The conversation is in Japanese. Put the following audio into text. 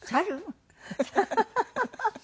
ハハハハ！